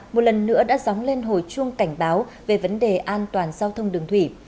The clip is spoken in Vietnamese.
một lần nữa đã dóng lên hồi chuông cảnh báo về vấn đề an toàn giao thông đường thủy